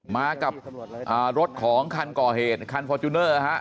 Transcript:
มากับรถของคันก่อเหตุคันฟอร์จูเนอร์ฮะ